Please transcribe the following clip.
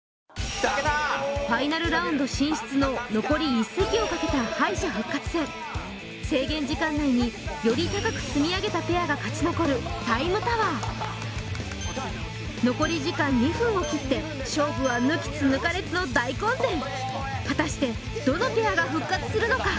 １席をかけた敗者復活戦制限時間内により高く積み上げたペアが勝ち残るタイムタワー残り時間２分を切って勝負は抜きつ抜かれつの大混戦果たしてどのペアが復活するのか？